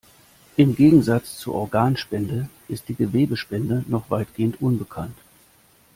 Im Gegensatz zur Organspende ist die Gewebespende noch weitgehend unbekannt.